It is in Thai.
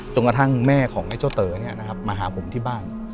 กระทั่งแม่ของไอ้เจ้าเต๋อมาหาผมที่บ้าน